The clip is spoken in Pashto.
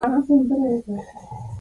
. د چاپېریال ساتنه: